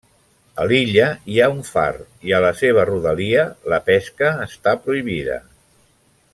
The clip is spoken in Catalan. A l'illa hi ha un far, i a la serva rodalia la pesca està prohibida.